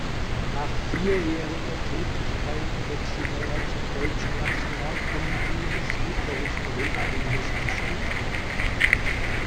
Nach vierjähriger Tätigkeit wechselte er zum Deutschen Nationalkomitee des Lutherischen Weltbundes in Stuttgart.